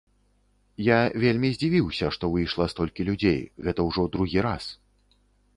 Я вельмі здзівіўся, што выйшла столькі людзей, гэта ўжо другі раз.